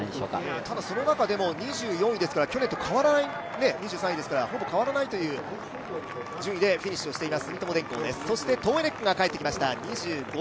ただ、その中でも２４位ですから、去年は２３位ですからほぼ変わらないという順位でフィニッシュをしています